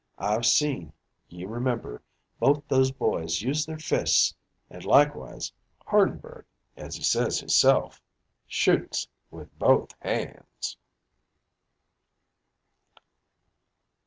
I've seen (ye remember) both those boys use their fists an' likewise Hardenberg, as he says hisself, shoots with both hands."